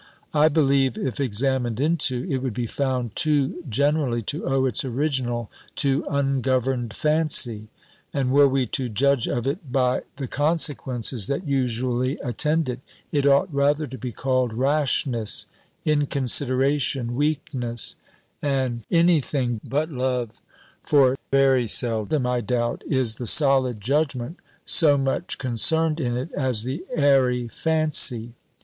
I believe, if examined into, it would be found too generally to owe its original to ungoverned fancy; and were we to judge of it by the consequences that usually attend it, it ought rather to be called rashness, inconsideration, weakness, and thing but love; for very seldom, I doubt, is the solid judgment so much concerned in it, as the _airy fancy.